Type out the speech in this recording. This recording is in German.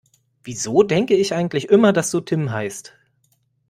Wieso denke ich eigentlich immer, dass du Tim heißt?